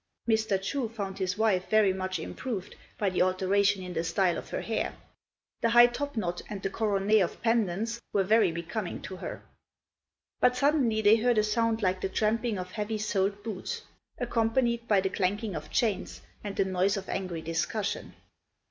Mr. Chu found his wife very much improved by the alteration in the style of her hair. The high top knot and the coronet of pendants were very becoming to her. But suddenly they heard a sound like the tramping of heavy soled boots, accompanied by the clanking of chains and the noise of angry discussion.